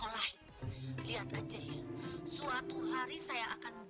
anak buah saya sudah mepet jadi jalan